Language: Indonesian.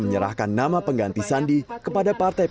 menyerahkan nama pengganti sandi kepada partai